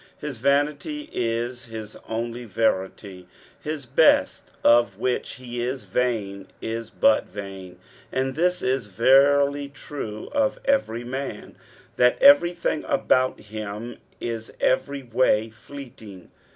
His vanity is hia only ▼crity : his best, of which lie is vain, is but vkIu ; and this is verily true of every man, that everything about him is every way fleeting.